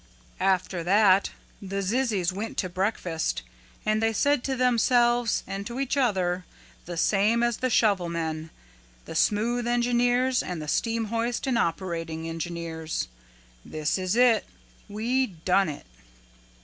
"After that the zizzies went to breakfast. And they said to themselves and to each other, the same as the shovelmen, the smooth engineers and the steam hoist and operating engineers, 'This is it we done it.'"